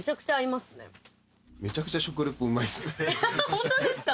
ホントですか？